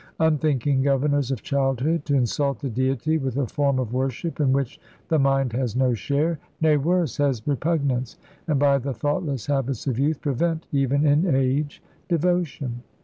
Unthinking governors of childhood! to insult the Deity with a form of worship in which the mind has no share; nay, worse, has repugnance, and by the thoughtless habits of youth, prevent, even in age, devotion."